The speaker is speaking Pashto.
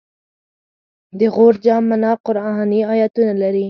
د غور جام منار قرآني آیتونه لري